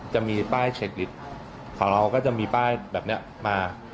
จะมีป้ายเช็คลิตรของเราก็จะมีป้ายแบบนี้มา